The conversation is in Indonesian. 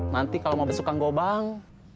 nanti kalau mau besok kang gobang